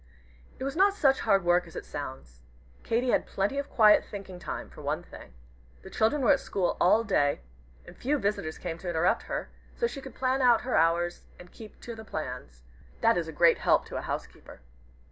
It was not such hard work as it sounds. Katy had plenty of quiet thinking time for one thing. The children were at school all day, and few visitors came to interrupt her, so she could plan out her hours and keep to the plans. That is a great help to a housekeeper.